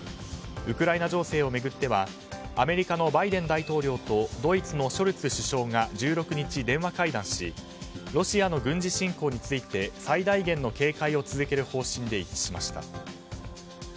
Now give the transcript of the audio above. ウクライナ情勢を巡ってはアメリカのバイデン大統領とドイツのショルツ首相が１６日電話会談しロシアの軍事侵攻について最大限の警戒を続ける方針で一致しました。